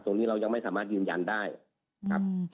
ตรงนี้เรายังไม่สามารถยืนยันได้ครับ